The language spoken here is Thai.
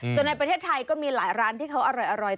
ส่วนในประเทศไทยก็มีหลายร้านที่เขาอร่อย